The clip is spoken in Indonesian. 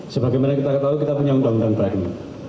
sebagai mana kita tahu kita punya undang undang terakhir